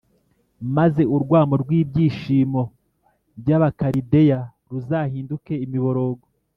maze urwamo rw’ibyishimo by’abakalideya ruzahinduke imiborogo.